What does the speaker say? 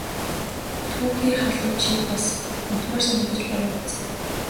Түүхий хулуу чи бас унтмаар санагдаж байгаа биз!